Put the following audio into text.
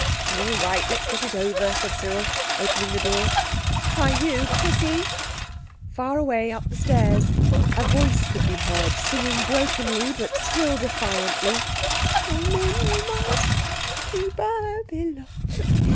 "All right, let's get it over," said Cyril, opening the door."Hi—you—Pussy!" Far away up the stairs a voice could be heard singing brokenly, but still defiantly— "How many miles to Babylon?